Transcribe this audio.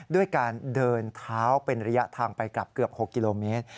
ด้วยการเดินเท้าเป็นระยะทางไปกลับเกือบ๖กิโลเมตร